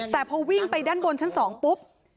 แต่พอวิ่งไปด้านบนชั้น๒ปุ๊บ